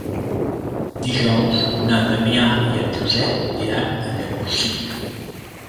Dijous na Damià i en Josep iran a Llavorsí.